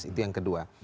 itu yang kedua